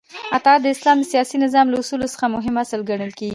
اطاعت د اسلام د سیاسی نظام له اصولو څخه مهم اصل ګڼل کیږی